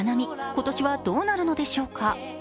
今年はどうなるのでしょうか。